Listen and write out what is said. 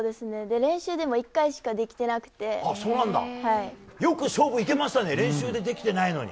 練習でも１回しかよく勝負いけましたね練習でできてないのに。